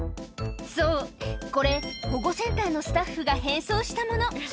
そう、これ、保護センターのスタッフが変装したもの。